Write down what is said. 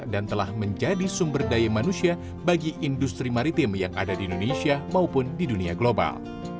dan telah menjadi sumber daya manusia bagi industri maritim yang ada di indonesia maupun di dunia global